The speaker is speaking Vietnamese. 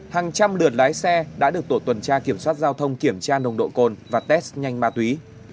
hàng trăm lượt lái xe đã được tổ tuần tra kiểm soát giao thông kiểm tra nồng độ cồn và test nhanh ma túy